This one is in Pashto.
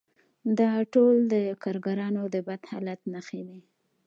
دا ټول د کارګرانو د بد حالت نښې دي